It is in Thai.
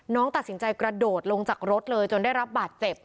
น้องตัดสินใจกระโดดลงจากรถเลยจนได้รับบาดเจ็บ